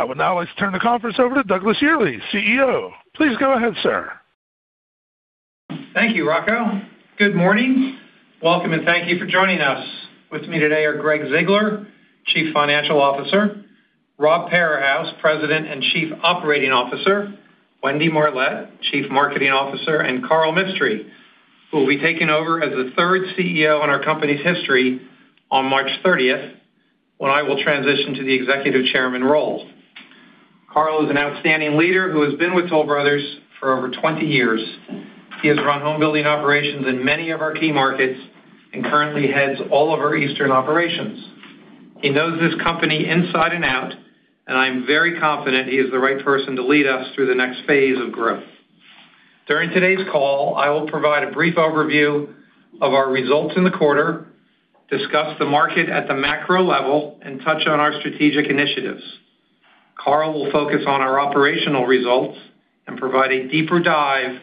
I would now like to turn the conference over to Douglas Yearley, CEO. Please go ahead, sir. Thank you, Rocco. Good morning. Welcome, and thank you for joining us. With me today are Gregg Ziegler, Chief Financial Officer, Rob Parahus, President and Chief Operating Officer, Wendy Marlett, Chief Marketing Officer, and Karl Mistry, who will be taking over as the third CEO in our company's history on March 30, when I will transition to the executive chairman role. Karl is an outstanding leader who has been with Toll Brothers for over 20 years. He has run home building operations in many of our key markets and currently heads all of our eastern operations. He knows this company inside and out, and I'm very confident he is the right person to lead us through the next phase of growth. During today's call, I will provide a brief overview of our results in the quarter, discuss the market at the macro level, and touch on our strategic initiatives. Karl will focus on our operational results and provide a deeper dive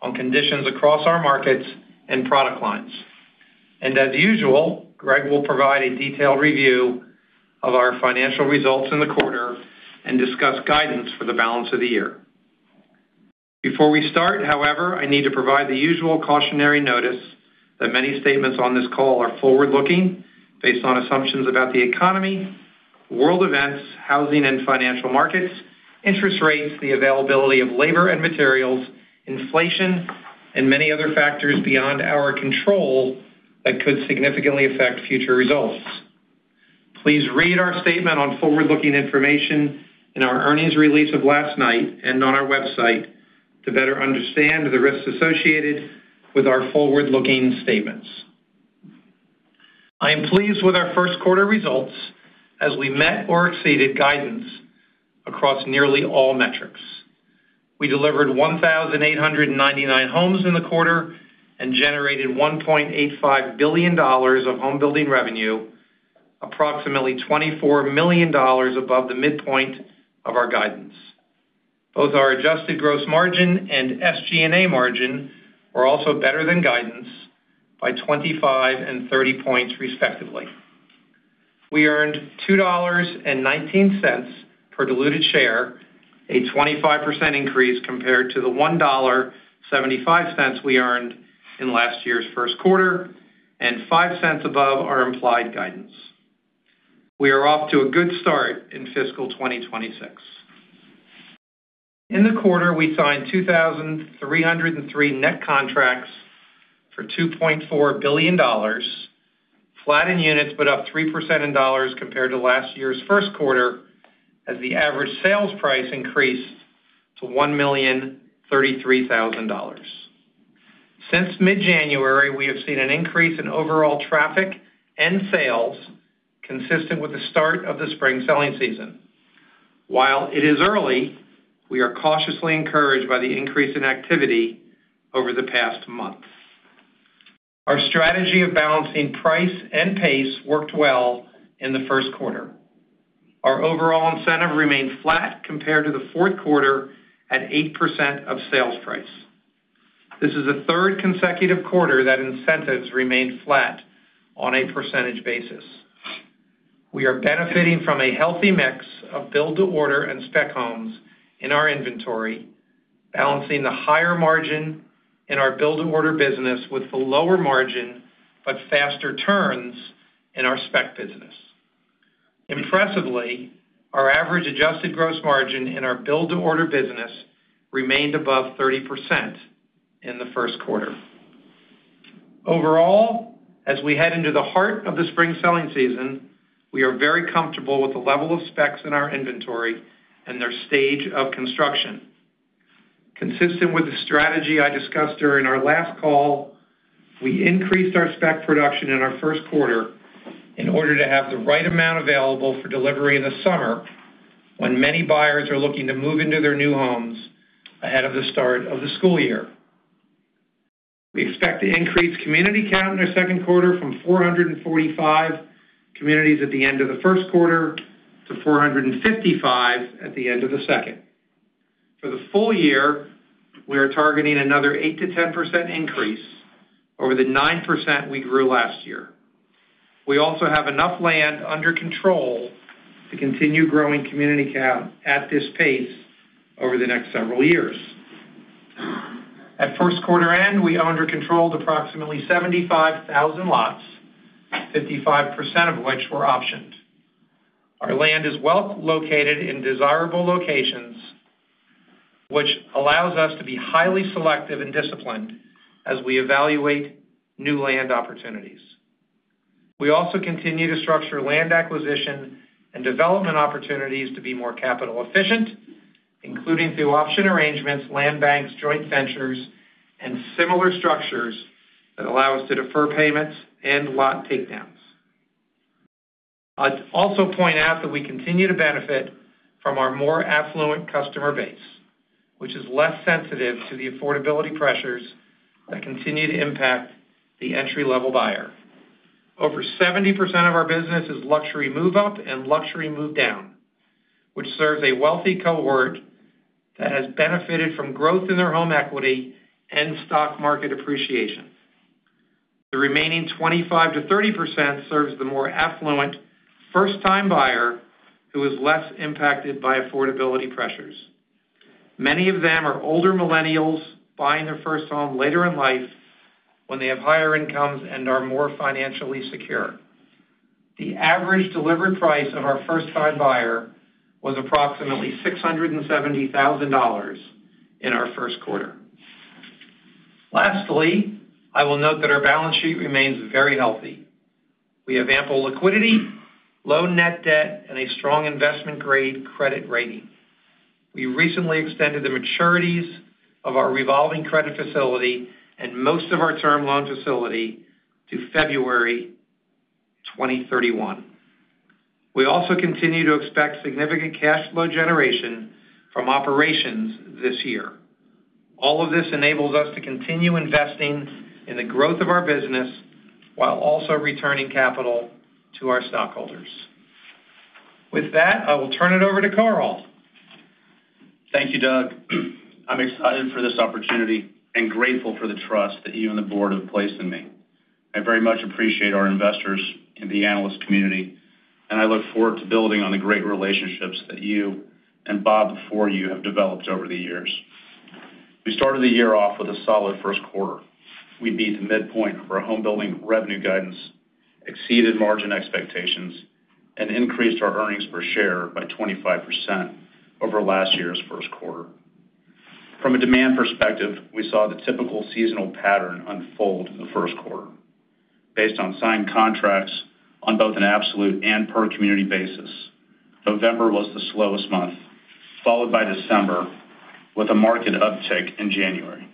on conditions across our markets and product lines. As usual, Gregg will provide a detailed review of our financial results in the quarter and discuss guidance for the balance of the year. Before we start, however, I need to provide the usual cautionary notice that many statements on this call are forward-looking, based on assumptions about the economy, world events, housing and financial markets, interest rates, the availability of labor and materials, inflation, and many other factors beyond our control that could significantly affect future results. Please read our statement on forward-looking information in our earnings release of last night and on our website to better understand the risks associated with our forward-looking statements. I am pleased with our Q1 results as we met or exceeded guidance across nearly all metrics. We delivered 1,899 homes in the quarter and generated $1.85 billion of home building revenue, approximately $24 million above the midpoint of our guidance. Both our adjusted gross margin and SG&A margin were also better than guidance by 25 points and 30 points, respectively. We earned $2.19 per diluted share, a 25% increase compared to the $1.75 we earned in last year's Q1, and 5 cents above our implied guidance. We are off to a good start in fiscal 2026. In the quarter, we signed 2,303 net contracts for $2.4 billion, flat in units, but up 3% in dollars compared to last year's Q1, as the average sales price increased to $1,033,000. Since mid-January, we have seen an increase in overall traffic and sales consistent with the start of the spring selling season. While it is early, we are cautiously encouraged by the increase in activity over the past month. Our strategy of balancing price and pace worked well in the Q1. Our overall incentive remained flat compared to the Q4 at 8% of sales price. This is the third consecutive quarter that incentives remained flat on a percentage basis. We are benefiting from a healthy mix of build-to-order and spec homes in our inventory, balancing the higher margin in our build-to-order business with the lower margin, but faster turns in our spec business. Impressively, our average adjusted gross margin in our build-to-order business remained above 30% in the Q1. Overall, as we head into the heart of the spring selling season, we are very comfortable with the level of specs in our inventory and their stage of construction. Consistent with the strategy I discussed during our last call, we increased our spec production in our Q1 in order to have the right amount available for delivery in the summer, when many buyers are looking to move into their new homes ahead of the start of the school year. We expect to increase community count in the Q2 from 445 communities at the end of the Q1 to 455 at the end of the second. For the full year, we are targeting another 8%-10% increase over the 9% we grew last year. We also have enough land under control to continue growing community count at this pace over the next several years. At Q1 end, we owned or controlled approximately 75,000 lots, 55% of which were optioned. Our land is well located in desirable locations, which allows us to be highly selective and disciplined as we evaluate new land opportunities. We also continue to structure land acquisition and development opportunities to be more capital efficient, including through option arrangements, land banks, joint ventures, and similar structures that allow us to defer payments and lot takedowns. I'd also point out that we continue to benefit from our more affluent customer base, which is less sensitive to the affordability pressures that continue to impact the entry-level buyer. Over 70% of our business is luxury move-up and luxury move-down, which serves a wealthy cohort that has benefited from growth in their home equity and stock market appreciation. The remaining 25%-30% serves the more affluent, first-time buyer who is less impacted by affordability pressures. Many of them are older millennials buying their first home later in life when they have higher incomes and are more financially secure. The average delivered price of our first-time buyer was approximately $670,000 in our Q1. Lastly, I will note that our balance sheet remains very healthy. We have ample liquidity, low net debt, and a strong investment-grade credit rating. We recently extended the maturities of our revolving credit facility and most of our term loan facility to February 2031. We also continue to expect significant cash flow generation from operations this year. All of this enables us to continue investing in the growth of our business while also returning capital to our stockholders. With that, I will turn it over to Karl. Thank you, Doug. I'm excited for this opportunity and grateful for the trust that you and the board have placed in me. I very much appreciate our investors and the analyst community, and I look forward to building on the great relationships that you and Bob, before you, have developed over the years. We started the year off with a solid Q1. We beat the midpoint for our homebuilding revenue guidance, exceeded margin expectations, and increased our earnings per share by 25% over last year's Q1. From a demand perspective, we saw the typical seasonal pattern unfold in the Q1. Based on signed contracts on both an absolute and per-community basis, November was the slowest month, followed by December, with a market uptick in January.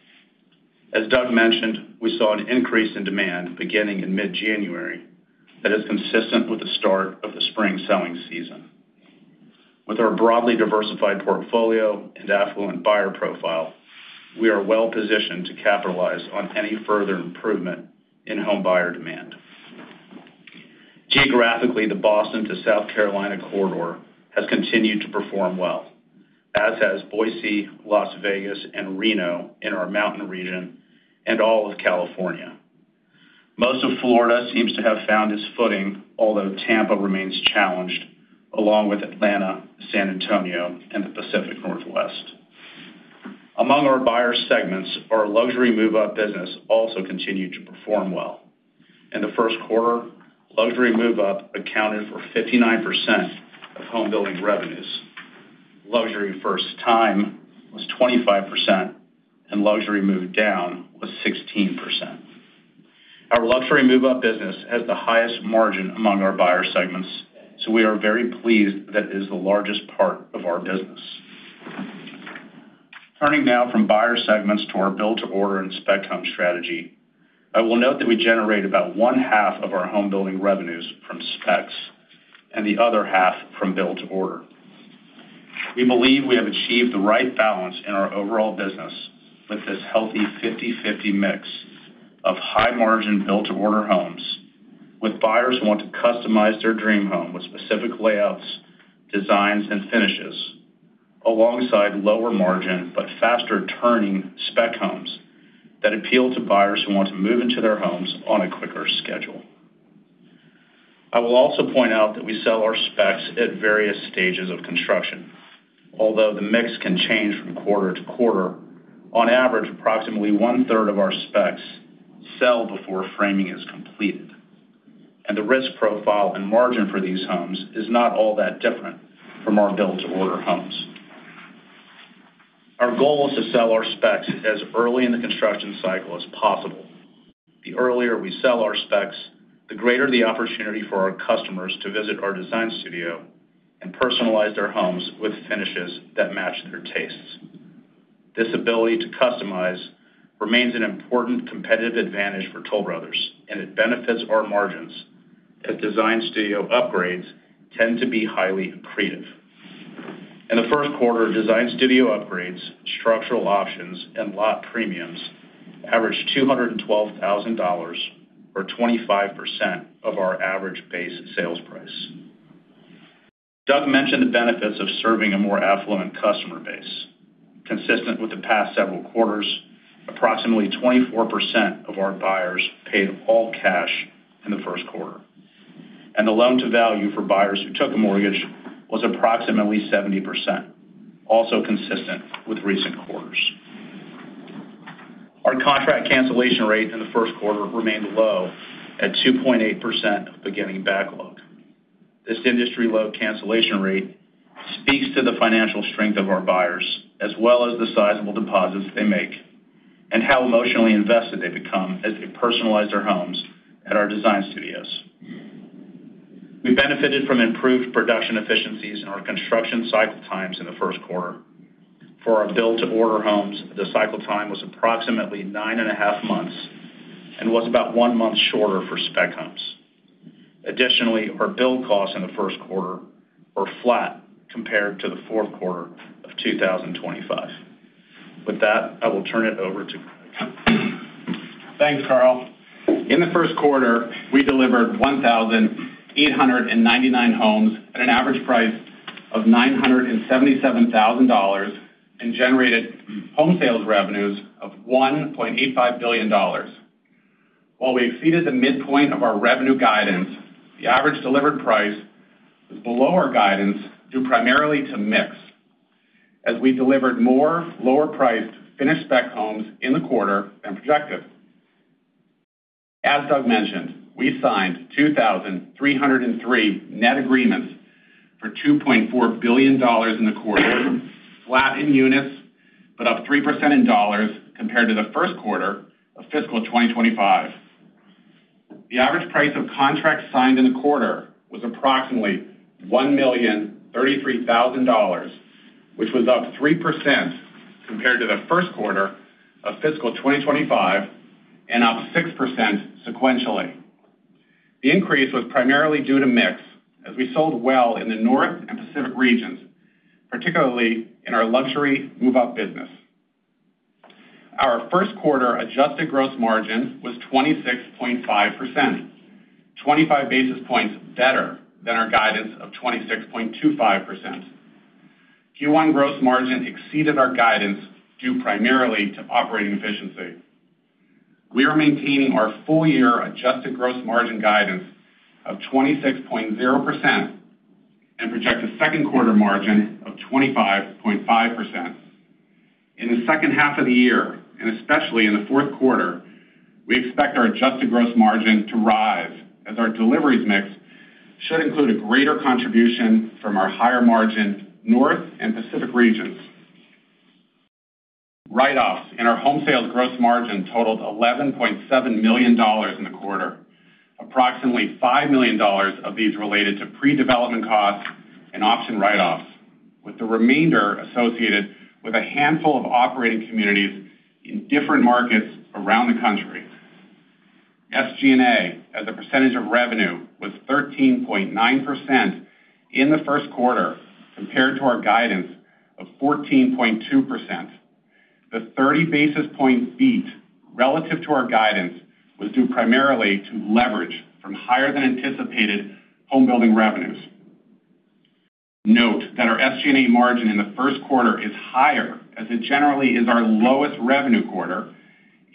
As Doug mentioned, we saw an increase in demand beginning in mid-January that is consistent with the start of the spring selling season. With our broadly diversified portfolio and affluent buyer profile, we are well-positioned to capitalize on any further improvement in homebuyer demand. Geographically, the Boston to South Carolina corridor has continued to perform well, as has Boise, Las Vegas, and Reno in our Mountain region, and all of California. Most of Florida seems to have found its footing, although Tampa remains challenged, along with Atlanta, San Antonio, and the Pacific Northwest. Among our buyer segments, our luxury move-up business also continued to perform well. In the Q1, luxury move-up accounted for 59% of homebuilding revenues. Luxury first time was 25%, and luxury move down was 16%. Our luxury move-up business has the highest margin among our buyer segments, so we are very pleased that it is the largest part of our business. Turning now from buyer segments to our build-to-order and spec home strategy, I will note that we generate about one-half of our homebuilding revenues from specs and the other half from build-to-order. We believe we have achieved the right balance in our overall business with this healthy 50/50 mix of high-margin build-to-order homes, with buyers who want to customize their dream home with specific layouts, designs, and finishes, alongside lower margin, but faster-turning spec homes that appeal to buyers who want to move into their homes on a quicker schedule. I will also point out that we sell our specs at various stages of construction, although the mix can change from quarter to quarter. On average, approximately one-third of our specs sell before framing is completed, and the risk profile and margin for these homes is not all that different from our build-to-order homes. Our goal is to sell our specs as early in the construction cycle as possible. The earlier we sell our specs, the greater the opportunity for our customers to visit our design studio and personalize their homes with finishes that match their tastes. This ability to customize remains an important competitive advantage for Toll Brothers, and it benefits our margins, as design studio upgrades tend to be highly accretive. In the Q1, design studio upgrades, structural options, and lot premiums averaged $212,000, or 25% of our average base sales price. Doug mentioned the benefits of serving a more affluent customer base. Consistent with the past several quarters, approximately 24% of our buyers paid all cash in the Q1, and the loan-to-value for buyers who took a mortgage was approximately 70%, also consistent with recent quarters. Our contract cancellation rate in the Q1 remained low at 2.8% of beginning backlog. This industry-low cancellation rate speaks to the financial strength of our buyers, as well as the sizable deposits they make and how emotionally invested they become as they personalize their homes at our design studios. We benefited from improved production efficiencies in our construction cycle times in the Q1. For our build-to-order homes, the cycle time was approximately 9.5 months and was about one month shorter for spec homes. Additionally, our build costs in the Q1 were flat compared to the Q4 of 2025. With that, I will turn it over to Gregg. Thanks, Karl. In the Q1, we delivered 1,899 homes at an average price of-... of $977,000 and generated home sales revenues of $1.85 billion. While we exceeded the midpoint of our revenue guidance, the average delivered price was below our guidance, due primarily to mix, as we delivered more lower-priced finished spec homes in the quarter than projected. As Doug mentioned, we signed 2,303 net agreements for $2.4 billion in the quarter, flat in units, but up 3% in dollars compared to the Q1 of fiscal 2025. The average price of contracts signed in the quarter was approximately $1,033,000, which was up 3% compared to the Q1 of fiscal 2025 and up 6% sequentially. The increase was primarily due to mix, as we sold well in the North and Pacific regions, particularly in our luxury move-up business. Our Q1 adjusted gross margin was 26.5%, 25 basis points better than our guidance of 26.25%. Q1 gross margin exceeded our guidance, due primarily to operating efficiency. We are maintaining our full-year adjusted gross margin guidance of 26.0% and project a Q2 margin of 25.5%. In the H2 of the year, and especially in the Q4, we expect our adjusted gross margin to rise as our deliveries mix should include a greater contribution from our higher-margin North and Pacific regions. Write-offs in our home sales gross margin totaled $11.7 million in the quarter. Approximately $5 million of these related to pre-development costs and option write-offs, with the remainder associated with a handful of operating communities in different markets around the country. SG&A, as a percentage of revenue, was 13.9% in the Q1 compared to our guidance of 14.2%. The 30 basis point beat relative to our guidance was due primarily to leverage from higher than anticipated home building revenues. Note that our SG&A margin in the Q1 is higher, as it generally is our lowest revenue quarter,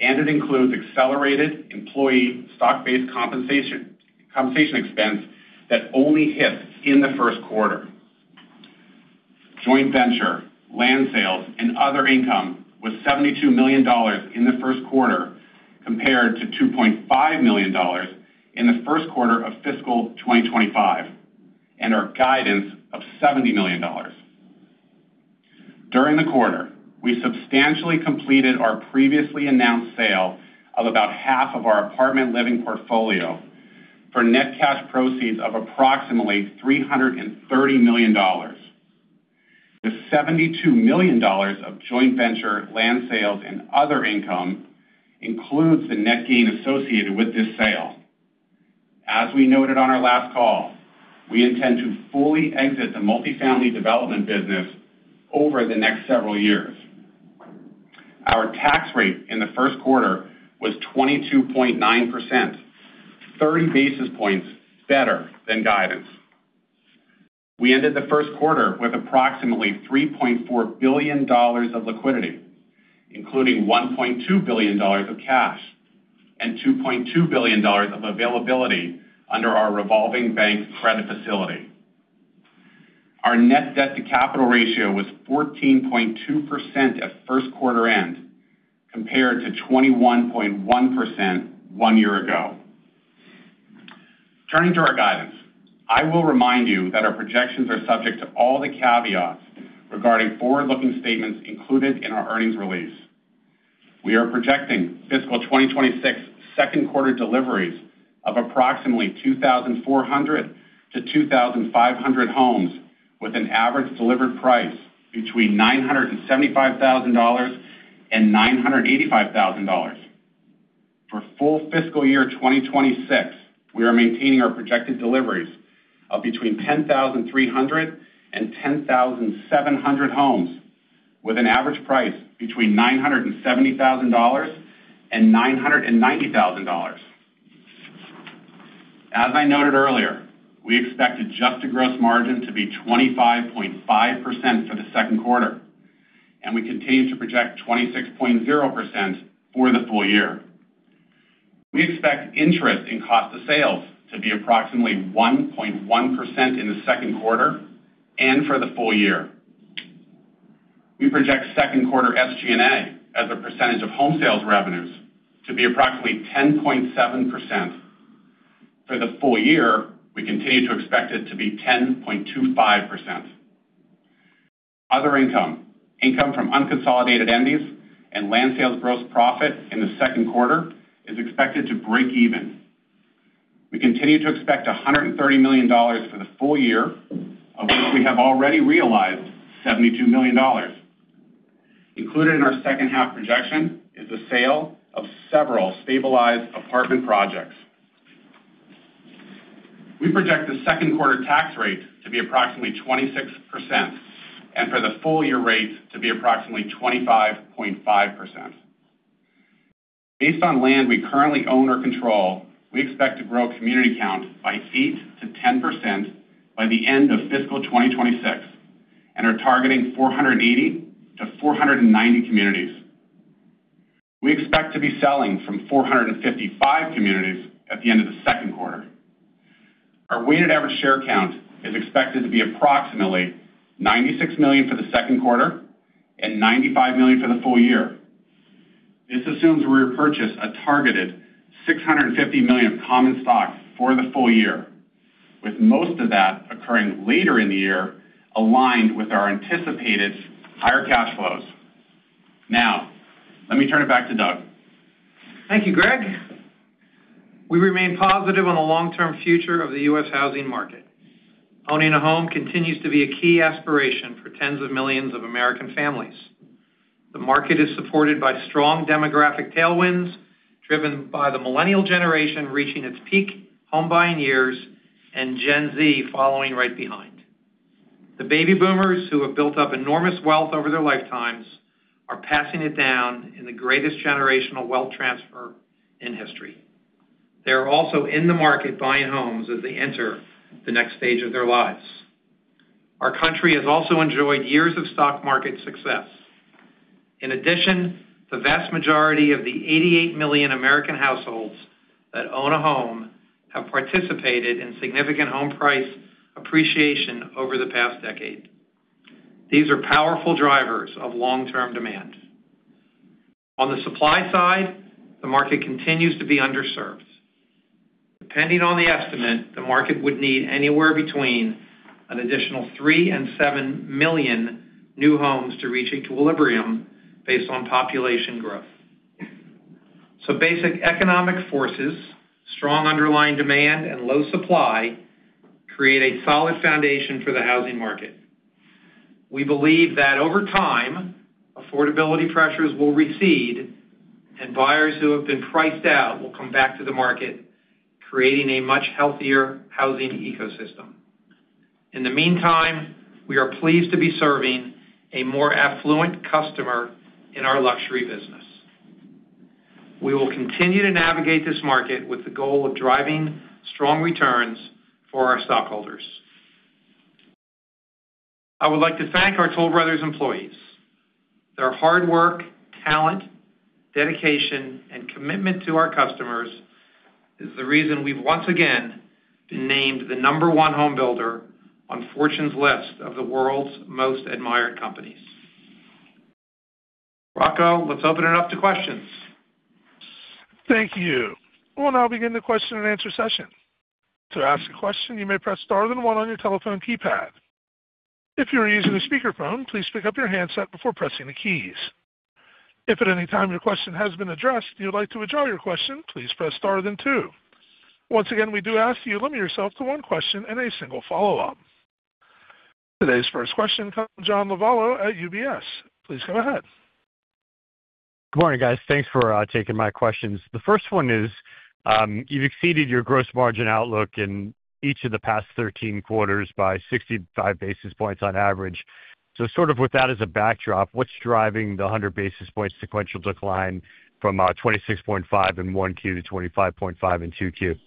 and it includes accelerated employee stock-based compensation, compensation expense that only hits in the Q1. Joint venture, land sales, and other income was $72 million in the Q1, compared to $2.5 million in the Q1 of fiscal 2025, and our guidance of $70 million. During the quarter, we substantially completed our previously announced sale of about half of our apartment living portfolio for net cash proceeds of approximately $330 million. The $72 million of joint venture, land sales, and other income includes the net gain associated with this sale. As we noted on our last call, we intend to fully exit the multifamily development business over the next several years. Our tax rate in the Q1 was 22.9%, 30 basis points better than guidance. We ended the Q1 with approximately $3.4 billion of liquidity, including $1.2 billion of cash and $2.2 billion of availability under our revolving bank credit facility. Our net debt to capital ratio was 14.2% at Q1 end, compared to 21.1% one year ago. Turning to our guidance, I will remind you that our projections are subject to all the caveats regarding forward-looking statements included in our earnings release. We are projecting fiscal 2026 Q2 deliveries of approximately 2,400-2,500 homes, with an average delivered price between $975,000 and $985,000. For full fiscal year 2026, we are maintaining our projected deliveries of between 10,300 and 10,700 homes, with an average price between $970,000 and $990,000. As I noted earlier, we expect adjusted gross margin to be 25.5% for the Q2, and we continue to project 26.0% for the full year. We expect interest in cost of sales to be approximately 1.1% in the Q2 and for the full year. We project Q2 SG&A as a percentage of home sales revenues to be approximately 10.7%. For the full year, we continue to expect it to be 10.25%. Other income, income from unconsolidated entities and land sales gross profit in the Q2 is expected to break even. We continue to expect $130 million for the full year, of which we have already realized $72 million. Included in our H2 projection is the sale of several stabilized apartment projects. We project the Q2 tax rate to be approximately 26%, and for the full year rate to be approximately 25.5%.... Based on land we currently own or control, we expect to grow community count by 8%-10% by the end of fiscal 2026, and are targeting 480-490 communities. We expect to be selling from 455 communities at the end of the Q2. Our weighted average share count is expected to be approximately 96 million for the Q2 and 95 million for the full year. This assumes we repurchase a targeted $650 million common stock for the full year, with most of that occurring later in the year, aligned with our anticipated higher cash flows. Now, let me turn it back to Doug. Thank you, Gregg. We remain positive on the long-term future of the U.S. housing market. Owning a home continues to be a key aspiration for tens of millions of American families. The market is supported by strong demographic tailwinds, driven by the millennial generation reaching its peak home buying years, and Gen Z following right behind. The baby boomers, who have built up enormous wealth over their lifetimes, are passing it down in the greatest generational wealth transfer in history. They are also in the market buying homes as they enter the next stage of their lives. Our country has also enjoyed years of stock market success. In addition, the vast majority of the 88 million American households that own a home have participated in significant home price appreciation over the past decade. These are powerful drivers of long-term demand. On the supply side, the market continues to be underserved. Depending on the estimate, the market would need anywhere between an additional 3 and 7 million new homes to reach equilibrium based on population growth. So basic economic forces, strong underlying demand and low supply, create a solid foundation for the housing market. We believe that over time, affordability pressures will recede, and buyers who have been priced out will come back to the market, creating a much healthier housing ecosystem. In the meantime, we are pleased to be serving a more affluent customer in our luxury business. We will continue to navigate this market with the goal of driving strong returns for our stockholders. I would like to thank our Toll Brothers employees. Their hard work, talent, dedication, and commitment to our customers is the reason we've once again been named the number one home builder on Fortune's list of the world's most admired companies. Rocco, let's open it up to questions. Thank you. We'll now begin the question and answer session. To ask a question, you may press star then one on your telephone keypad. If you are using a speakerphone, please pick up your handset before pressing the keys. If at any time your question has been addressed, and you'd like to withdraw your question, please press star then two. Once again, we do ask you, limit yourself to one question and a single follow-up. Today's first question comes from John Lovallo at UBS. Please go ahead. Good morning, guys. Thanks for taking my questions. The first one is, you've exceeded your gross margin outlook in each of the past 13 quarters by 65 basis points on average. So sort of with that as a backdrop, what's driving the 100 basis points sequential decline from 26.5 in 1Q to 25.5 in 2Q?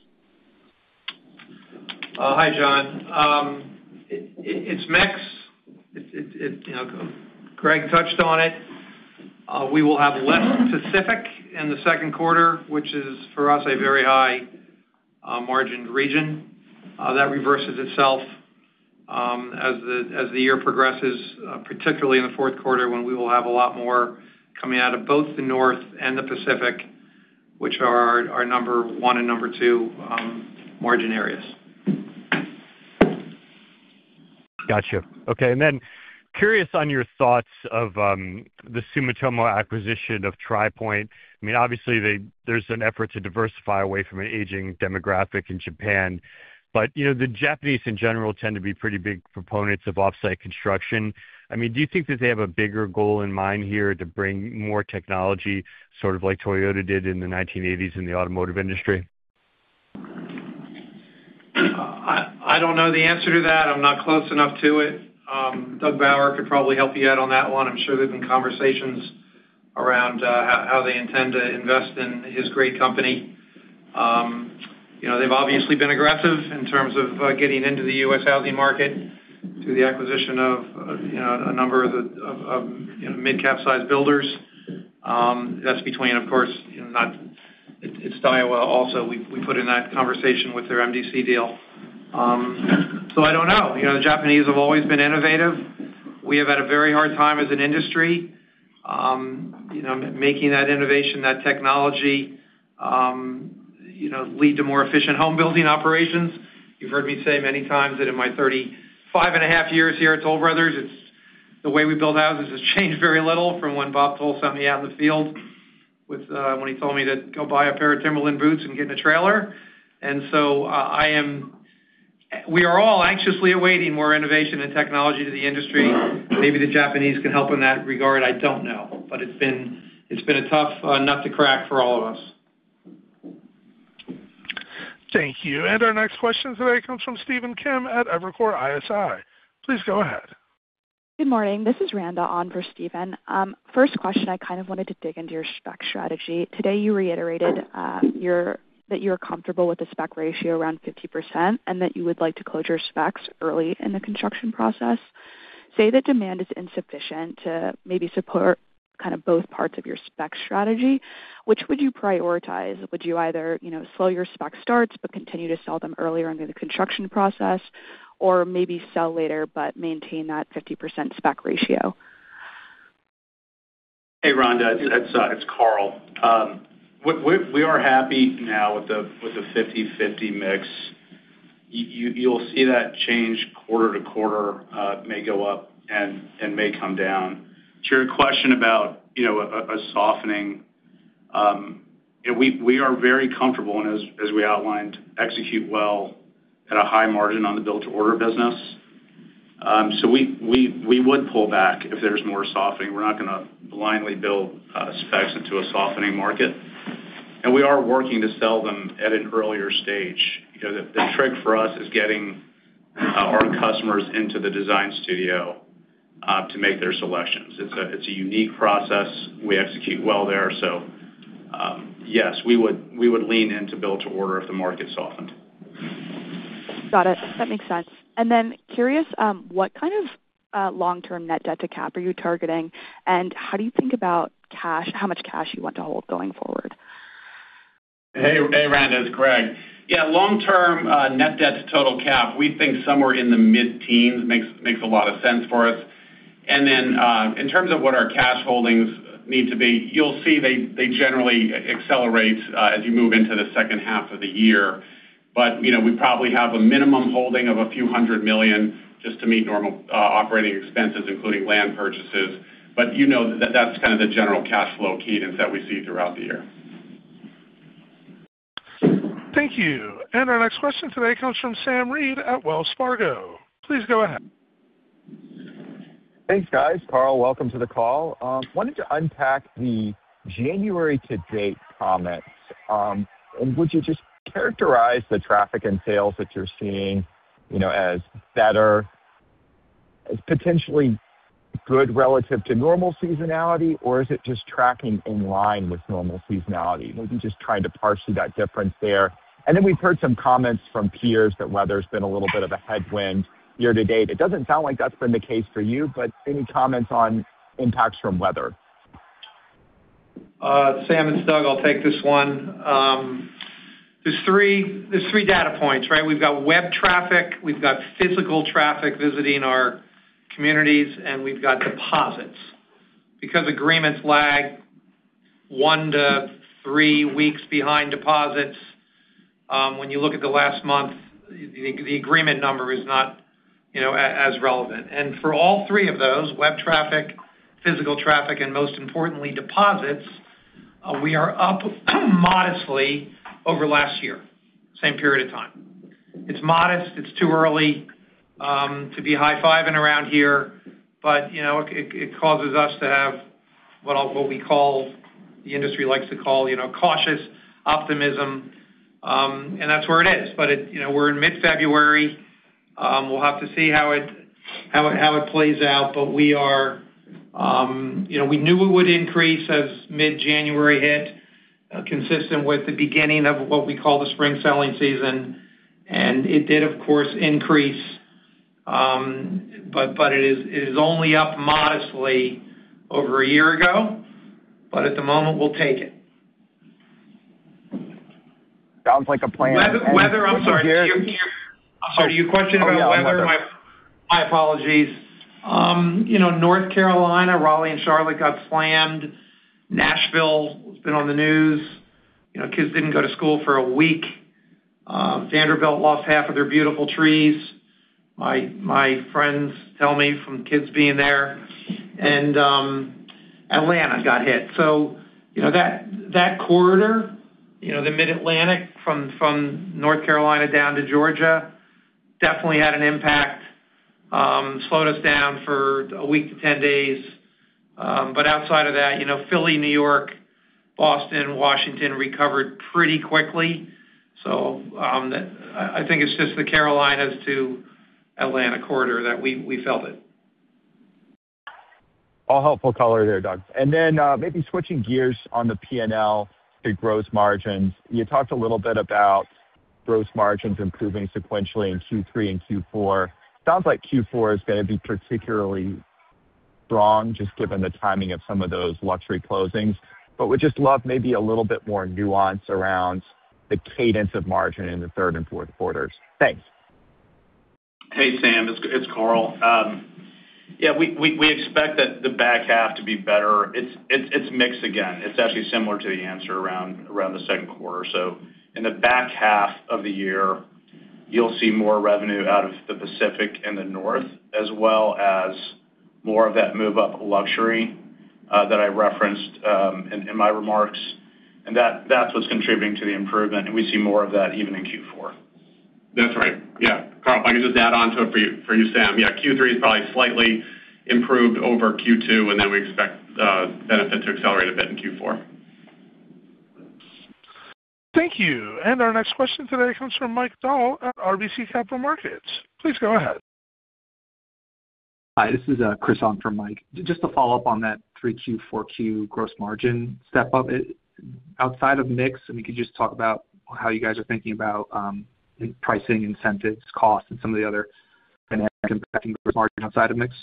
Hi, John. It's mix. You know, Gregg touched on it. We will have less Pacific in the Q2, which is for us a very high margin region. That reverses itself as the year progresses, particularly in the Q4, when we will have a lot more coming out of both the North and the Pacific, which are our number one and number two margin areas. Got you. Okay, and then curious on your thoughts of, the Sumitomo acquisition of Tri Pointe. I mean, obviously, they-- there's an effort to diversify away from an aging demographic in Japan, but, you know, the Japanese in general tend to be pretty big proponents of off-site construction. I mean, do you think that they have a bigger goal in mind here to bring more technology, sort of like Toyota did in the 1980s in the automotive industry? I don't know the answer to that. I'm not close enough to it. Doug Bauer could probably help you out on that one. I'm sure there's been conversations around how they intend to invest in his great company. You know, they've obviously been aggressive in terms of getting into the U.S. housing market through the acquisition of a number of mid-cap-sized builders. That's between, of course, you know, not. It's Daiwa also, we put in that conversation with their MDC deal. So I don't know. You know, the Japanese have always been innovative. We have had a very hard time as an industry, you know, making that innovation, that technology, you know, lead to more efficient home building operations. You've heard me say many times that in my 35.5 years here at Toll Brothers, it's the way we build houses has changed very little from when Bob Toll sent me out in the field with... When he told me to go buy a pair of Timberland boots and get in a trailer. And so I, I am-- We are all anxiously awaiting more innovation and technology to the industry. Maybe the Japanese can help in that regard, I don't know. But it's been, it's been a tough nut to crack for all of us.... Thank you. Our next question today comes from Steven Kim at Evercore ISI. Please go ahead. Good morning. This is Randa on for Steven. First question, I kind of wanted to dig into your spec strategy. Today, you reiterated that you're comfortable with the spec ratio around 50%, and that you would like to close your specs early in the construction process. Say that demand is insufficient to maybe support kind of both parts of your spec strategy, which would you prioritize? Would you either, you know, slow your spec starts, but continue to sell them earlier under the construction process, or maybe sell later, but maintain that 50% spec ratio? Hey, Randa, it's Karl. We are happy now with the 50/50 mix. You'll see that change quarter to quarter, may go up and may come down. To your question about, you know, a softening, we are very comfortable, and as we outlined, execute well at a high margin on the build to order business. So we would pull back if there's more softening. We're not gonna blindly build specs into a softening market. And we are working to sell them at an earlier stage. You know, the trick for us is getting our customers into the Design Studio to make their selections. It's a unique process. We execute well there. So, yes, we would, we would lean in to build to order if the market softened. Got it. That makes sense. And then curious, what kind of long-term net debt to cap are you targeting? And how do you think about cash, how much cash you want to hold going forward? Hey, hey, Randa, it's Gregg. Yeah, long-term, net debt to total cap, we think somewhere in the mid-teens makes, makes a lot of sense for us. And then, in terms of what our cash holdings need to be, you'll see they, they generally accelerate, as you move into the H2 of the year. But, you know, we probably have a minimum holding of $a few hundred million just to meet normal, operating expenses, including land purchases. But you know that that's kind of the general cash flow cadence that we see throughout the year. Thank you. Our next question today comes from Sam Reid at Wells Fargo. Please go ahead. Thanks, guys. Karl, welcome to the call. Wanted to unpack the January to date comments. And would you just characterize the traffic and sales that you're seeing, you know, as better, as potentially good relative to normal seasonality, or is it just tracking in line with normal seasonality? Maybe just trying to parse through that difference there. And then, we've heard some comments from peers that weather's been a little bit of a headwind year to date. It doesn't sound like that's been the case for you, but any comments on impacts from weather? Sam, it's Doug, I'll take this one. There's three, there's three data points, right? We've got web traffic, we've got physical traffic visiting our communities, and we've got deposits. Because agreements lag one week to three weeks behind deposits, when you look at the last month, the agreement number is not, you know, as relevant. For all three of those, web traffic, physical traffic, and most importantly, deposits, we are up modestly over last year, same period of time. It's modest. It's too early to be high-fiving around here, but, you know, it causes us to have what we call, the industry likes to call, you know, cautious optimism, and that's where it is. But it, you know, we're in mid-February. We'll have to see how it plays out, but we are, you know, we knew it would increase as mid-January hit, consistent with the beginning of what we call the spring selling season, and it did, of course, increase. But it is only up modestly over a year ago, but at the moment, we'll take it. Sounds like a plan. Weather, weather. I'm sorry. Do you hear? I'm sorry. Your question about weather. Oh, yeah, weather. My apologies. You know, North Carolina, Raleigh, and Charlotte got slammed. Nashville has been on the news. You know, kids didn't go to school for a week. Vanderbilt lost half of their beautiful trees, my, my friends tell me from kids being there, and Atlanta got hit. So you know, that, that corridor, you know, the Mid-Atlantic, from, from North Carolina down to Georgia, definitely had an impact, slowed us down for a week to 10 days. But outside of that, you know, Philly, New York, Boston, Washington recovered pretty quickly. So, I, I think it's just the Carolinas to Atlanta corridor that we, we felt it. All helpful color there, Doug. And then, maybe switching gears on the PNL to gross margins. You talked a little bit about gross margins improving sequentially in Q3 and Q4. Sounds like Q4 is gonna be particularly strong, just given the timing of some of those luxury closings. But would just love maybe a little bit more nuance around the cadence of margin in the third and Q4s. Thanks. Hey, Sam. It's Karl. Yeah, we expect that the back half to be better. It's mixed again. It's actually similar to the answer around the Q2. So in the back half of the year, you'll see more revenue out of the Pacific and the North, as well as more of that move-up luxury that I referenced in my remarks, and that's what's contributing to the improvement, and we see more of that even in Q4.... That's right. Yeah. Karl, if I could just add on to it for you, for you, Sam. Yeah, Q3 is probably slightly improved over Q2, and then we expect benefit to accelerate a bit in Q4. Thank you. Our next question today comes from Mike Dahl at RBC Capital Markets. Please go ahead. Hi, this is Chris on for Mike. Just to follow up on that 3Q, 4Q gross margin step up outside of mix, and we could just talk about how you guys are thinking about pricing, incentives, costs, and some of the other financial impacting gross margin outside of mix?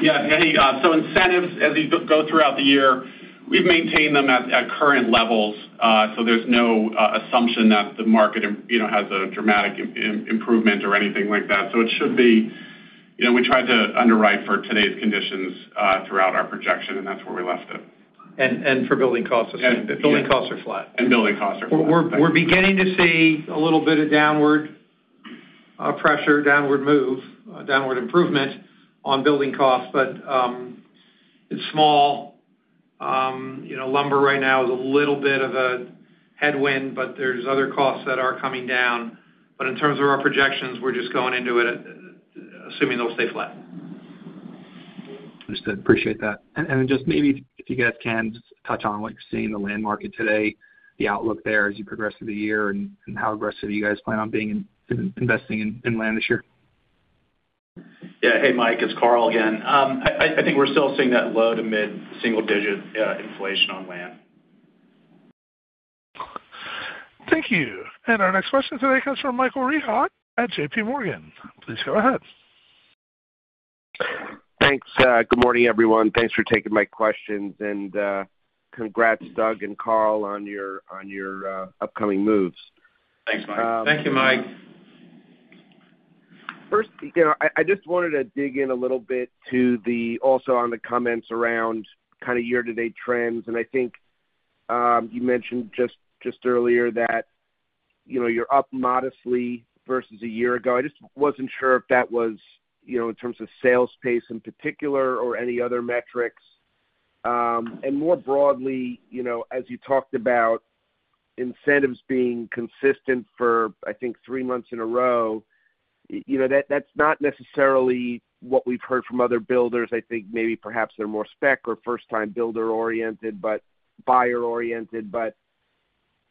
Yeah, hey, so incentives, as we go throughout the year, we've maintained them at current levels. So there's no assumption that the market, you know, has a dramatic improvement or anything like that. So it should be... You know, we tried to underwrite for today's conditions throughout our projection, and that's where we left it. And for building costs, assuming- Yeah. The building costs are flat. And building costs are flat. We're beginning to see a little bit of downward pressure, downward move, downward improvement on building costs, but it's small. You know, lumber right now is a little bit of a headwind, but there's other costs that are coming down. But in terms of our projections, we're just going into it, assuming they'll stay flat. Understood. Appreciate that. Just maybe if you guys can just touch on, like, seeing the land market today, the outlook there as you progress through the year, and how aggressive you guys plan on being in investing in land this year. Yeah. Hey, Mike, it's Karl again. I think we're still seeing that low- to mid-single-digit inflation on land. Thank you. And our next question today comes from Michael Rehaut at JPMorgan. Please go ahead. Thanks. Good morning, everyone. Thanks for taking my questions, and congrats, Doug and Karl, on your upcoming moves. Thanks, Mike. Thank you, Mike. First, you know, I, I just wanted to dig in a little bit also on the comments around kind of year-to-date trends, and I think, you mentioned just, just earlier that, you know, you're up modestly versus a year ago. I just wasn't sure if that was, you know, in terms of sales pace in particular or any other metrics. And more broadly, you know, as you talked about incentives being consistent for, I think, three months in a row, you know, that's not necessarily what we've heard from other builders. I think maybe perhaps they're more spec or first-time builder oriented, but buyer oriented. But,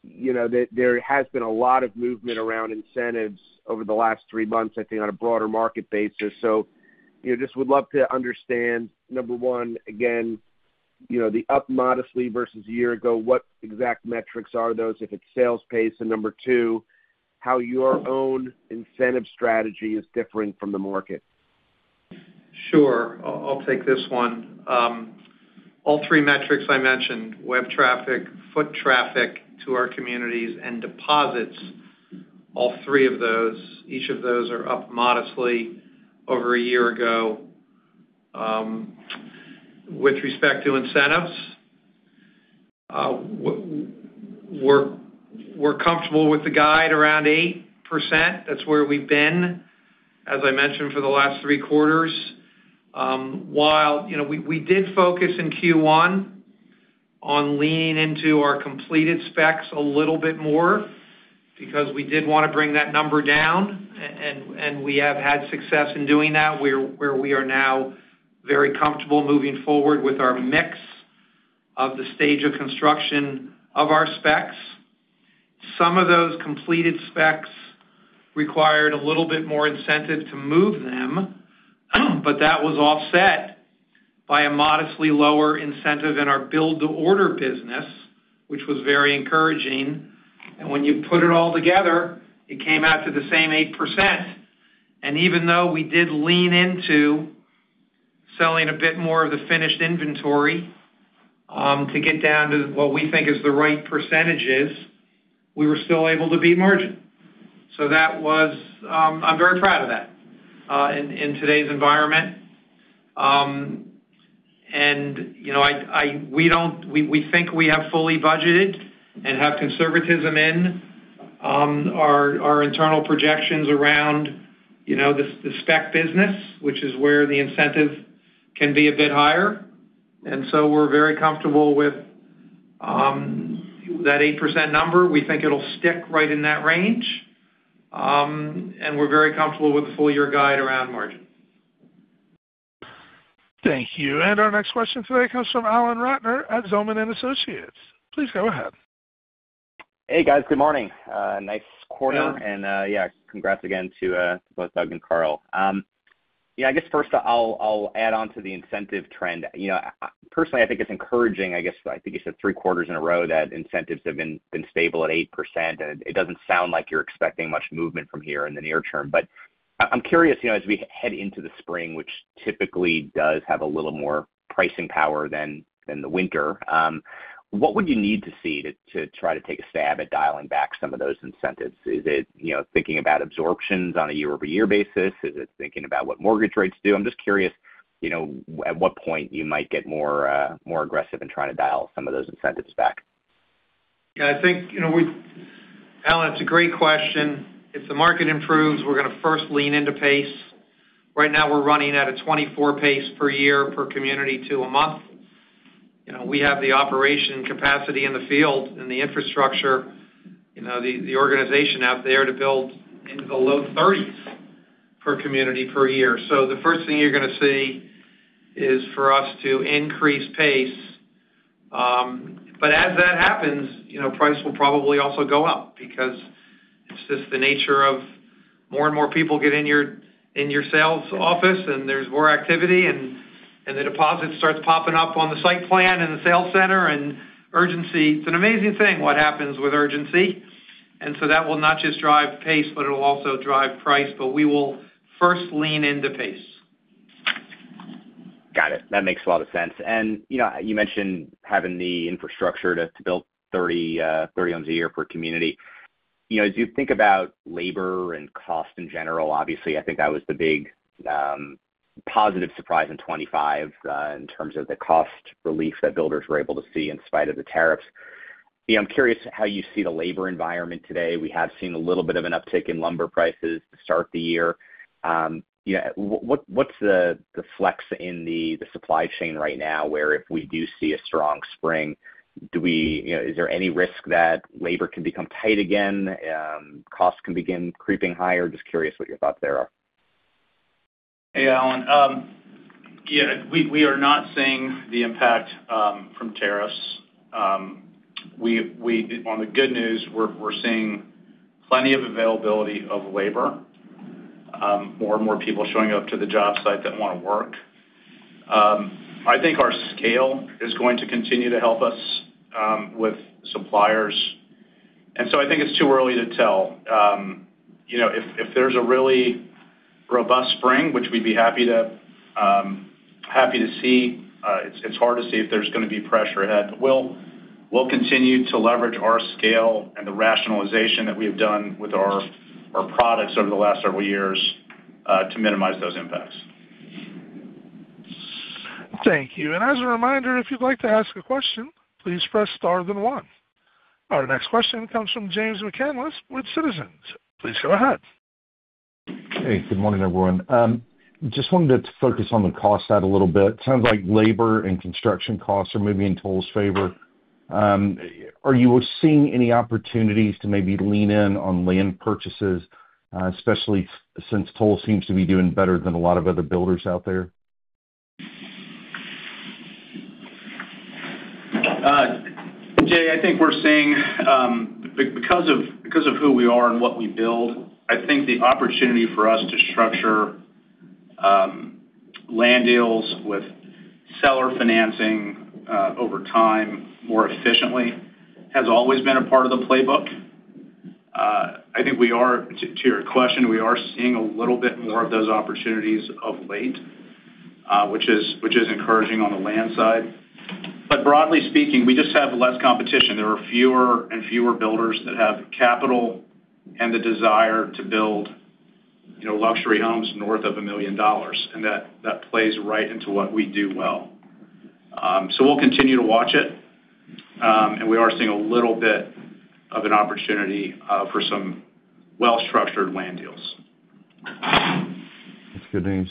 you know, there has been a lot of movement around incentives over the last three months, I think, on a broader market basis. So, you know, just would love to understand, number one, again, you know, the up modestly versus a year ago, what exact metrics are those, if it's sales pace? And number two, how your own incentive strategy is differing from the market? Sure. I'll take this one. All three metrics I mentioned, web traffic, foot traffic to our communities, and deposits, all three of those, each of those are up modestly over a year ago. With respect to incentives, we're comfortable with the guide around 8%. That's where we've been, as I mentioned, for the last three quarters. While, you know, we did focus in Q1 on leaning into our completed specs a little bit more because we did want to bring that number down, and we have had success in doing that, where we are now very comfortable moving forward with our mix of the stage of construction of our specs. Some of those completed specs required a little bit more incentive to move them, but that was offset by a modestly lower incentive in our build-to-order business, which was very encouraging. And when you put it all together, it came out to the same 8%. And even though we did lean into selling a bit more of the finished inventory, to get down to what we think is the right percentages, we were still able to beat margin. So that was... I'm very proud of that, in today's environment. And, you know, we think we have fully budgeted and have conservatism in our internal projections around, you know, the spec business, which is where the incentive can be a bit higher. And so we're very comfortable with that 8% number. We think it'll stick right in that range. We're very comfortable with the full year guide around margin. Thank you. Our next question today comes from Alan Ratner at Zelman & Associates. Please go ahead. Hey, guys. Good morning. Nice quarter- Yeah. Yeah, congrats again to both Doug and Karl. Yeah, I guess first I'll add on to the incentive trend. You know, personally, I think it's encouraging. I guess, I think you said 3 quarters in a row that incentives have been stable at 8%, and it doesn't sound like you're expecting much movement from here in the near term. But I'm curious, you know, as we head into the spring, which typically does have a little more pricing power than the winter, what would you need to see to try to take a stab at dialing back some of those incentives? Is it, you know, thinking about absorptions on a year-over-year basis? Is it thinking about what mortgage rates do? I'm just curious, you know, at what point you might get more, more aggressive in trying to dial some of those incentives back. Yeah, I think, you know, we, Alan, it's a great question. If the market improves, we're going to first lean into pace. Right now, we're running at a 24 pace per year per community to a month.... you know, we have the operation capacity in the field and the infrastructure, you know, the organization out there to build into the low 30s per community per year. So the first thing you're going to see is for us to increase pace. But as that happens, you know, price will probably also go up because it's just the nature of more and more people get in your sales office, and there's more activity, and the deposit starts popping up on the site plan and the sales center, and urgency. It's an amazing thing what happens with urgency. So that will not just drive pace, but it'll also drive price. We will first lean into pace. Got it. That makes a lot of sense. And, you know, you mentioned having the infrastructure to, to build 30, 30 homes a year per community. You know, as you think about labor and cost in general, obviously, I think that was the big, positive surprise in 25, in terms of the cost relief that builders were able to see in spite of the tariffs. I'm curious how you see the labor environment today. We have seen a little bit of an uptick in lumber prices to start the year. Yeah, what, what's the, the flex in the, the supply chain right now, where if we do see a strong spring, do we, you know, is there any risk that labor can become tight again, costs can begin creeping higher? Just curious what your thoughts there are. Hey, Alan. Yeah, we are not seeing the impact from tariffs. On the good news, we're seeing plenty of availability of labor, more and more people showing up to the job site that want to work. I think our scale is going to continue to help us with suppliers, and so I think it's too early to tell. You know, if there's a really robust spring, which we'd be happy to see, it's hard to see if there's going to be pressure ahead. But we'll continue to leverage our scale and the rationalization that we have done with our products over the last several years to minimize those impacts. Thank you. And as a reminder, if you'd like to ask a question, please press Star, then one. Our next question comes from James McCanless with Citizens. Please go ahead. Hey, good morning, everyone. Just wanted to focus on the cost side a little bit. Sounds like labor and construction costs are maybe in Toll's favor. Are you seeing any opportunities to maybe lean in on land purchases, especially since Toll seems to be doing better than a lot of other builders out there? Jay, I think we're seeing, because of who we are and what we build, I think the opportunity for us to structure land deals with seller financing over time more efficiently has always been a part of the playbook. I think we are, to your question, we are seeing a little bit more of those opportunities of late, which is encouraging on the land side. But broadly speaking, we just have less competition. There are fewer and fewer builders that have capital and the desire to build, you know, luxury homes north of $1 million, and that plays right into what we do well. So we'll continue to watch it. And we are seeing a little bit of an opportunity for some well-structured land deals. That's good news.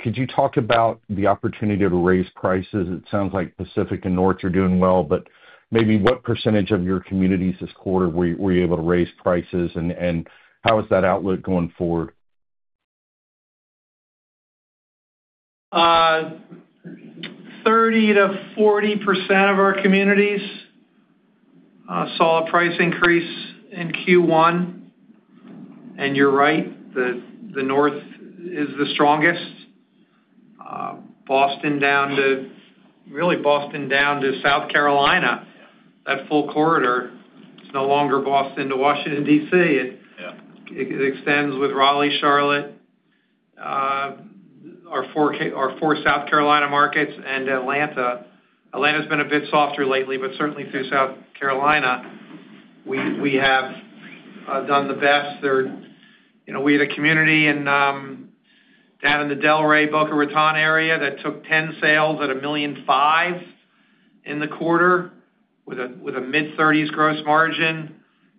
Could you talk about the opportunity to raise prices? It sounds like Pacific and North are doing well, but maybe what percentage of your communities this quarter were you able to raise prices, and how is that outlook going forward? 30%-40% of our communities saw a price increase in Q1. You're right, the North is the strongest. Boston down to, really, Boston down to South Carolina. That full corridor is no longer Boston to Washington, D.C. Yeah. It extends with Raleigh, Charlotte, our four South Carolina markets and Atlanta. Atlanta's been a bit softer lately, but certainly through South Carolina, we have done the best. You know, we had a community in down in the Delray Boca Raton area that took 10 sales at $1.5 million in the quarter with a mid-thirties gross margin.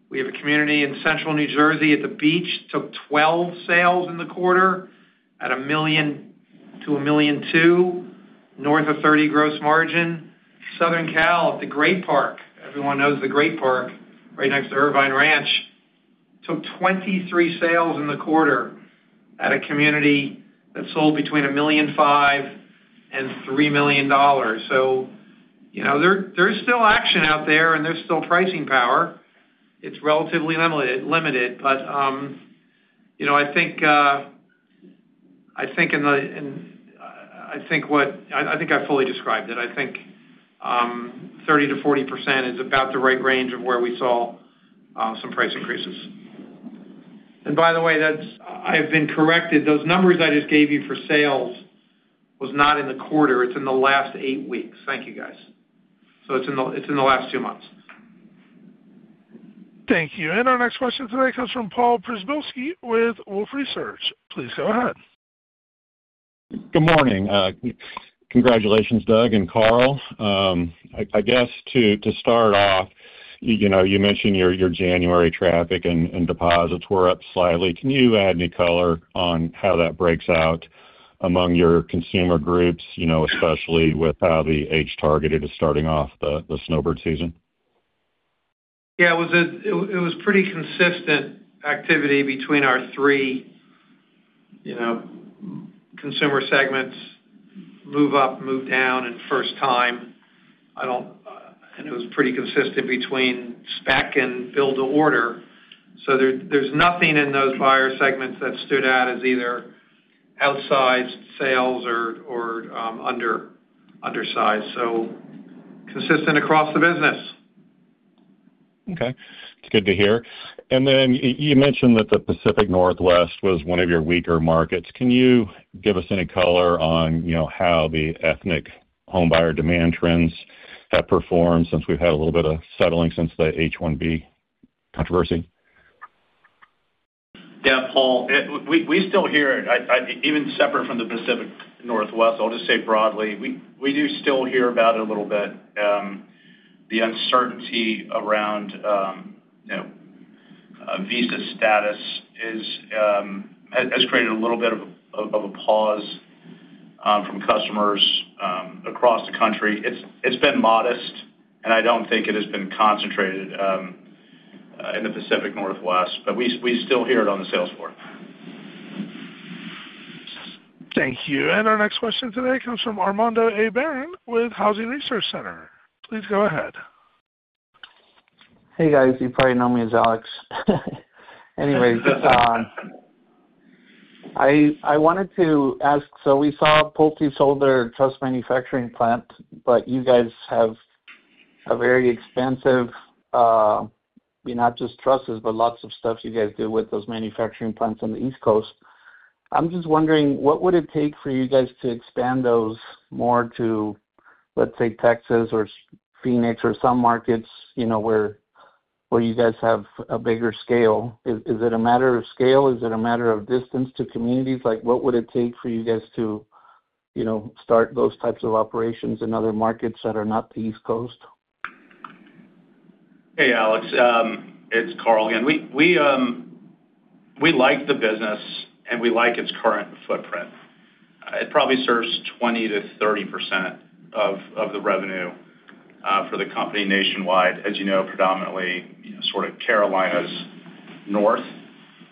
We have a community in central New Jersey at the beach, took 12 sales in the quarter at $1 million-$1.2 million, north of 30 gross margin. Southern Cal, at the Great Park, everyone knows the Great Park, right next to Irvine Ranch, took 23 sales in the quarter at a community that sold between $1.5 million and $3 million. So, you know, there, there's still action out there, and there's still pricing power. It's relatively limited, but, you know, I think I fully described it. I think 30%-40% is about the right range of where we saw some price increases. And by the way, that's, I've been corrected. Those numbers I just gave you for sales was not in the quarter, it's in the last eight weeks. Thank you, guys. So it's in the last two months. Thank you. Our next question today comes from Paul Przybylski with Wolfe Research. Please go ahead. Good morning. Congratulations, Doug and Karl. I guess to start off, you know, you mentioned your January traffic and deposits were up slightly. Can you add any color on how that breaks out among your consumer groups, you know, especially with how the age targeted is starting off the snowbird season?... Yeah, it was pretty consistent activity between our three, you know, consumer segments, move up, move down, and first time. I don't, and it was pretty consistent between spec and build-to-order. So there's nothing in those buyer segments that stood out as either outsized sales or undersized, so consistent across the business. Okay, it's good to hear. Then you mentioned that the Pacific Northwest was one of your weaker markets. Can you give us any color on, you know, how the ethnic homebuyer demand trends have performed since we've had a little bit of settling since the H-1B controversy? Yeah, Paul, we, we still hear it. Even separate from the Pacific Northwest, I'll just say broadly, we, we do still hear about it a little bit. The uncertainty around, you know, visa status is has created a little bit of a pause from customers across the country. It's, it's been modest, and I don't think it has been concentrated in the Pacific Northwest, but we, we still hear it on the sales floor. Thank you. Our next question today comes from Alex Barron with Housing Research Center. Please go ahead. Hey, guys. You probably know me as Alex. Anyways, I wanted to ask, so we saw PulteGroup sold their truss manufacturing plant, but you guys have a very expansive, I mean, not just trusses, but lots of stuff you guys do with those manufacturing plants on the East Coast. I'm just wondering, what would it take for you guys to expand those more to, let's say, Texas or Phoenix or some markets, you know, where you guys have a bigger scale? Is it a matter of scale? Is it a matter of distance to communities? Like, what would it take for you guys to, you know, start those types of operations in other markets that are not the East Coast? Hey, Alex, it's Karl again. We like the business, and we like its current footprint. It probably serves 20%-30% of the revenue for the company nationwide, as you know, predominantly, you know, sort of Carolinas North.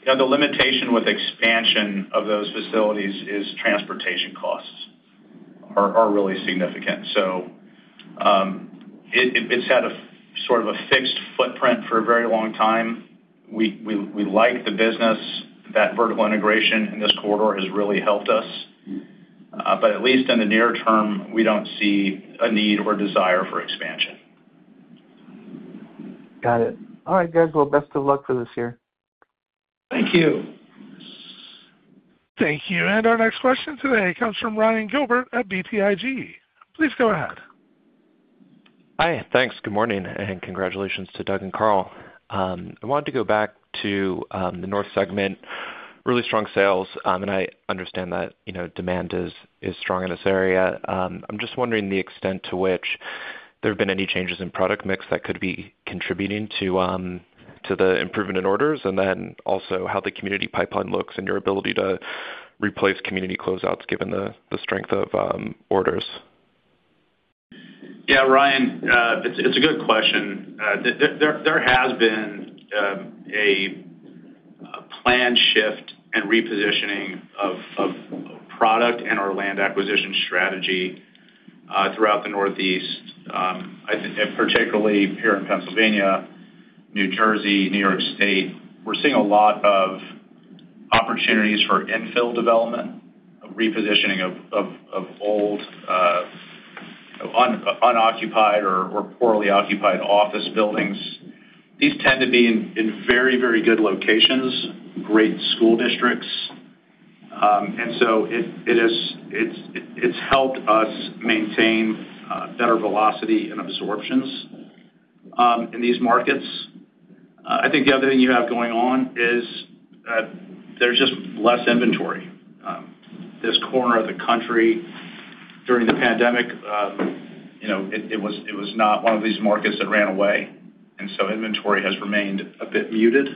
You know, the limitation with expansion of those facilities is transportation costs are really significant. So, it's had a sort of a fixed footprint for a very long time. We like the business. That vertical integration in this corridor has really helped us, but at least in the near term, we don't see a need or desire for expansion. Got it. All right, guys. Well, best of luck for this year. Thank you. Thank you. Our next question today comes from Ryan Gilbert at BTIG. Please go ahead. Hi, thanks. Good morning, and congratulations to Doug and Karl. I wanted to go back to the north segment. Really strong sales, and I understand that, you know, demand is strong in this area. I'm just wondering the extent to which there have been any changes in product mix that could be contributing to the improvement in orders, and then also how the community pipeline looks and your ability to replace community closeouts given the strength of orders. Yeah, Ryan, it's a good question. There has been a plan shift and repositioning of product and our land acquisition strategy throughout the Northeast. I think, and particularly here in Pennsylvania, New Jersey, New York State, we're seeing a lot of opportunities for infill development, a repositioning of old unoccupied or poorly occupied office buildings. These tend to be in very good locations, great school districts, and so it's helped us maintain better velocity and absorptions in these markets. I think the other thing you have going on is, there's just less inventory. This corner of the country, during the pandemic, you know, it was not one of these markets that ran away, and so inventory has remained a bit muted.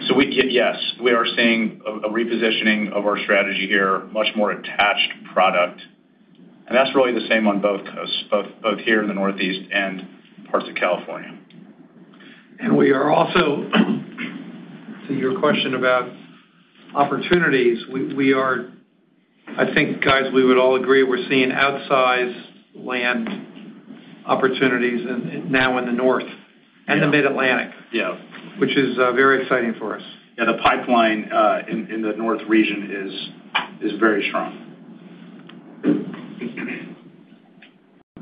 So we are seeing a repositioning of our strategy here, much more attached product, and that's really the same on both coasts, both here in the Northeast and parts of California. We are also, to your question about opportunities, we are... I think, guys, we would all agree, we're seeing outsized land opportunities in, now in the north and the Mid-Atlantic- Yeah. - which is, very exciting for us. Yeah, the pipeline in the north region is very strong.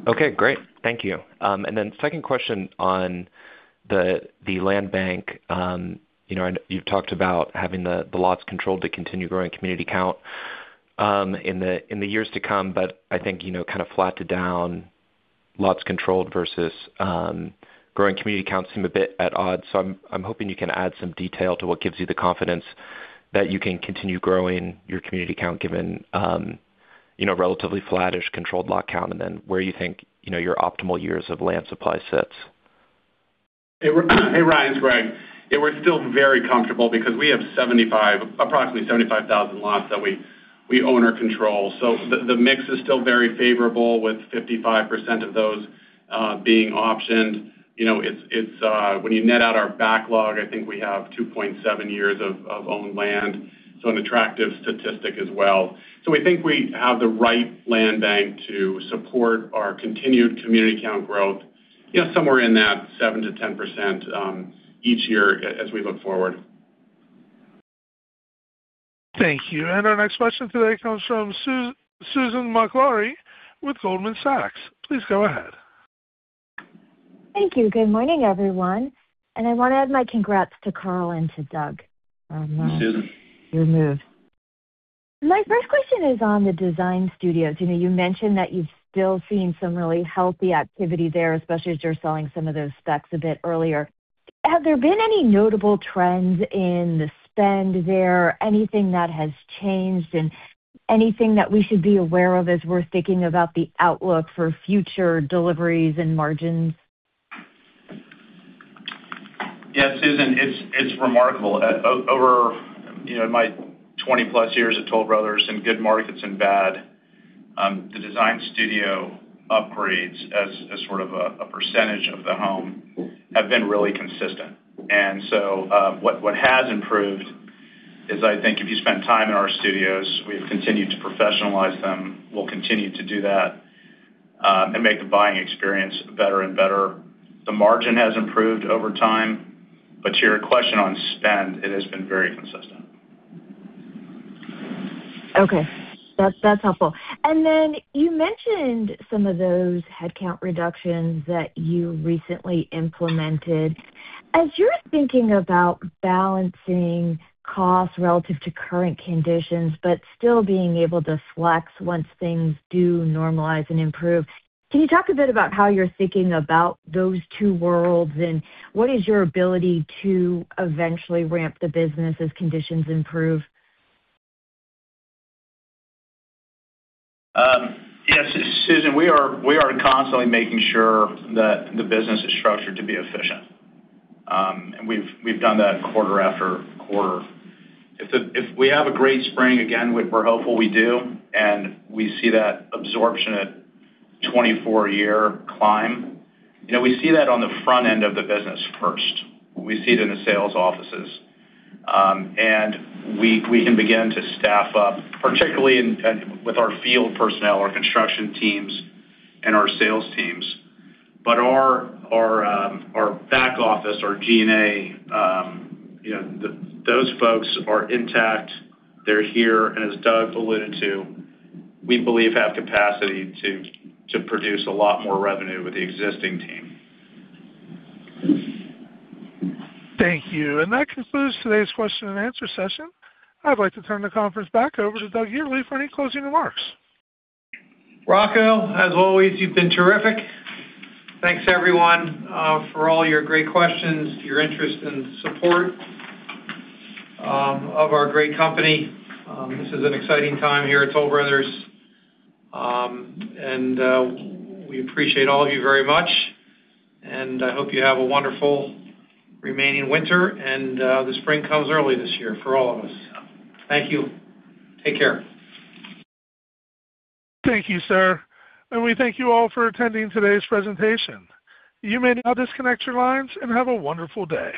Okay, great. Thank you. And then second question on the land bank. You know, and you've talked about having the lots controlled to continue growing community count in the years to come, but I think, you know, kind of flat to down, lots controlled versus growing community count seem a bit at odds. So I'm hoping you can add some detail to what gives you the confidence that you can continue growing your community count, given you know, relatively flattish controlled lot count, and then where you think, you know, your optimal years of land supply sits?... Hey, Ryan, it's Gregg. Yeah, we're still very comfortable because we have 75, approximately 75,000 lots that we own or control. So the mix is still very favorable, with 55% of those being optioned. You know, it's when you net out our backlog, I think we have 2.7 years of owned land, so an attractive statistic as well. So we think we have the right land bank to support our continued community count growth, you know, somewhere in that 7%-10% each year as we look forward. Thank you. Our next question today comes from Susan Maklari with Goldman Sachs. Please go ahead. Thank you. Good morning, everyone, and I wanna add my congrats to Karl and to Doug on- Susan. Your move. My first question is on the design studios. You know, you mentioned that you've still seen some really healthy activity there, especially as you're selling some of those specs a bit earlier. Have there been any notable trends in the spend there? Anything that has changed and anything that we should be aware of as we're thinking about the outlook for future deliveries and margins? Yeah, Susan, it's remarkable. Over, you know, my 20+ years at Toll Brothers, in good markets and bad, the design studio upgrades as sort of a percentage of the home have been really consistent. And so, what has improved is, I think, if you spend time in our studios, we've continued to professionalize them. We'll continue to do that, and make the buying experience better and better. The margin has improved over time, but to your question on spend, it has been very consistent. Okay. That's, that's helpful. And then you mentioned some of those headcount reductions that you recently implemented. As you're thinking about balancing costs relative to current conditions, but still being able to flex once things do normalize and improve, can you talk a bit about how you're thinking about those two worlds, and what is your ability to eventually ramp the business as conditions improve? Yes, Susan, we are constantly making sure that the business is structured to be efficient. And we've done that quarter after quarter. If we have a great spring again, we're hopeful we do, and we see that absorption at 24-a-year clip, you know, we see that on the front end of the business first. We see it in the sales offices. And we can begin to staff up, particularly with our field personnel, our construction teams and our sales teams. But our back office, our G&A, you know, those folks are intact. They're here, and as Doug alluded to, we believe have capacity to produce a lot more revenue with the existing team. Thank you. That concludes today's question and answer session. I'd like to turn the conference back over to Doug Yearley for any closing remarks. Rocco, as always, you've been terrific. Thanks, everyone, for all your great questions, your interest and support, of our great company. This is an exciting time here at Toll Brothers. And, we appreciate all of you very much, and I hope you have a wonderful remaining winter, and, the spring comes early this year for all of us. Thank you. Take care. Thank you, sir, and we thank you all for attending today's presentation. You may now disconnect your lines, and have a wonderful day.